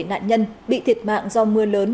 nạn nhân bị thiệt mạng do mưa lớn